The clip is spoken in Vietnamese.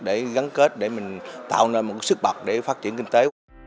để gắn kết để mình tạo nên một sức bật để phát triển kinh tế